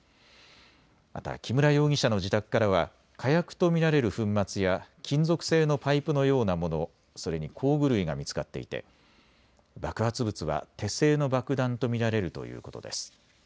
また木村容疑者の自宅からは火薬と見られる粉末や金属製のパイプのようなもの、それに工具類が見つかっていて爆発物は手製の爆弾と見られるということです。